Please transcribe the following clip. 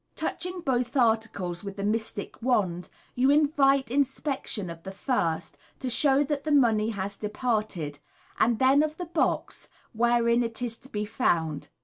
Touching both articles with the mystic wand, you invite inspection of the first to show that the money has departed, and then of the box, wherein it is to be found.